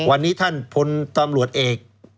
วันนี้ท่านพลตำรวจเอก